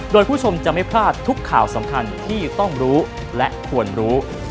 โดยผู้ชมจะไม่พลาดทุกข่าวสำคัญที่ต้องรู้และควรรู้